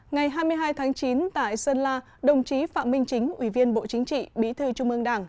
ngày hai mươi hai tháng chín tại sơn la đồng chí phạm minh chính ủy viên bộ chính trị bí thư trung ương đảng